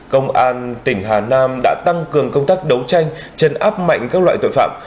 công an tỉnh hà nam đã tăng cường công tác đấu tranh chấn áp mạnh các loại tội phạm